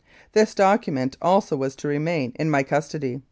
This document also was to remain in my custody.